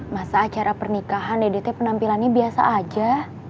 masa acara pernikahan edt penampilannya biasa aja